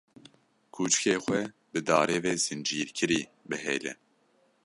Kûçikê xwe bi darê ve zincîrkirî bihêle.